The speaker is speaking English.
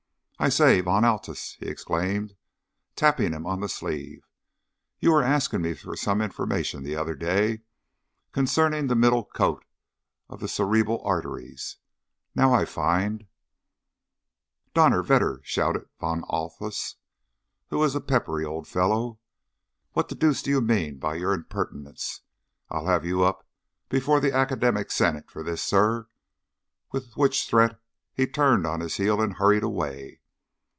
"I say, Von Althaus," he exclaimed, tapping him on the sleeve, "you were asking me for some information the other day concerning the middle coat of the cerebral arteries. Now I find " "Donnerwetter!" shouted Von Althaus, who was a peppery old fellow. "What the deuce do you mean by your impertinence! I'll have you up before the Academical Senate for this, sir;" with which threat he turned on his heel and hurried away.